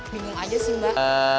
bingung aja sih mbak